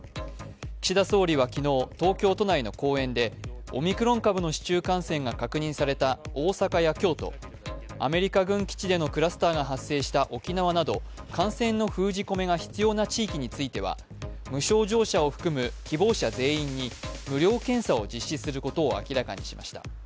岸田総理は昨日、東京都内の講演でオミクロン株の市中感染が確認された大阪や京都、アメリカ軍基地でのクラスターが発生した沖縄など感染の封じ込めが必要な地域については無症状者を含む希望者全員に無料検査を実施することを明らかにしました。